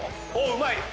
うまい！